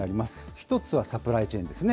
１つはサプライチェーンですね。